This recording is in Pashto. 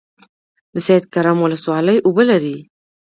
د سید کرم ولسوالۍ اوبه لري